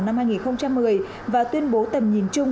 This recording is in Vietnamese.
năm hai nghìn một mươi và tuyên bố tầm nhìn chung